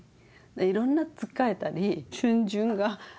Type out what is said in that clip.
いろんなつっかえたり逡巡が。